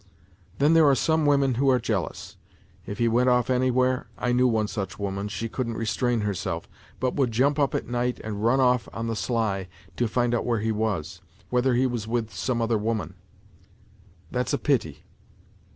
... Then there are some women who are jealous. If he went off anywhere I knew one such woman, she couldn't restrain herself, but would jump up at night and run off on the sly to find out where he was, whether he was with some other woman. That's a pity.